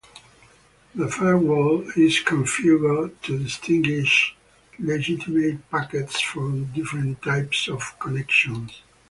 The firewall is configured to distinguish legitimate packets for different types of connections.